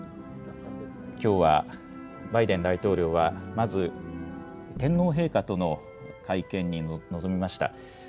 きょうはバイデン大統領はまず天皇陛下との会見に臨みました。